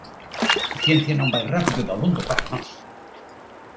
A ciencia non vai rápido dabondo para nós!